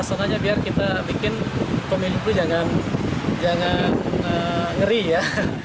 suasanya biar kita bikin pemilipu jangan ngeri ya